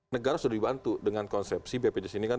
negara sudah dibantu dengan konsepsi bpjs ini kan